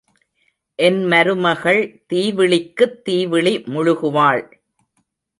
என் மருமகள் தீவிளிக்குத் தீவிளி முழுகுவாள்.